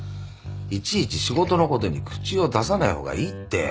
いちいち仕事のことに口を出さない方がいいって。